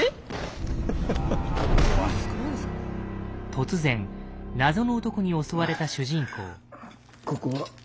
突然謎の男に襲われた主人公。